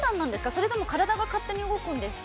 それとも体が勝手に動くんですか？